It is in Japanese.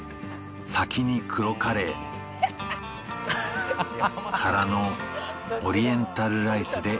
先に黒カレーからのオリエンタルライスで締めだな